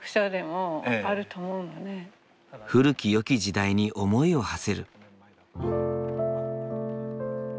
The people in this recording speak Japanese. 古きよき時代に思いをはせる。